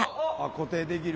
固定できる。